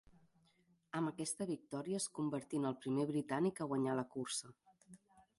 Amb aquesta victòria es convertí en el primer britànic a guanyar la cursa.